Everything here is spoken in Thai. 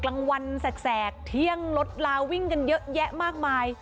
กลางวันแสกเที่ยงรถลาวิ่งกันเยอะแยะมากมาย